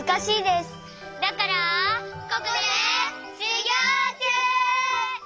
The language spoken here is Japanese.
ここでしゅぎょうちゅう！